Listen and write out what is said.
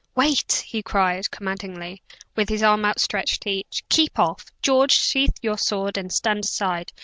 "Wait!" he cried, commandingly, with his arm outstretched to each. "Keep off! George, sheathe your sword and stand aside.